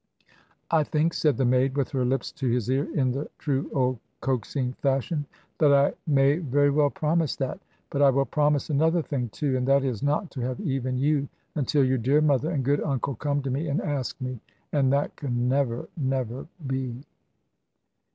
"I think," said the maid, with her lips to his ear, in the true old coaxing fashion, "that I may very well promise that. But I will promise another thing too. And that is, not to have even you, until your dear mother and good uncle come to me and ask me. And that can never never be."